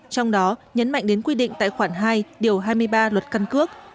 trong đó nhấn mạnh đến quy định tại khoản hai điều hai mươi ba luật căn cước